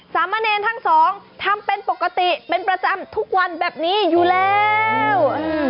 สามเณรทั้งสองทำเป็นปกติเป็นประจำทุกวันแบบนี้อยู่แล้ว